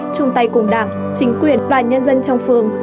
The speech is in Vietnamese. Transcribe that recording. chung tay cùng đảng chính quyền và nhân dân trong phường